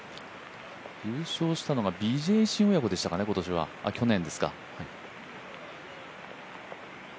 優勝したのがビジェイ・シン親子でしたかね、去年は。